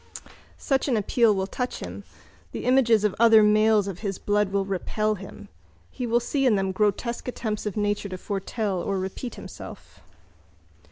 Such an appeal will touch him. The images of other males of his blood will repel him. He will see in them grotesque attempts of nature to foretell or to repeat himself.